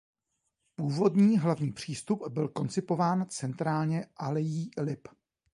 Původní hlavní přístup byl koncipován centrálně alejí lip.